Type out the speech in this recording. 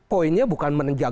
poinnya bukan menengah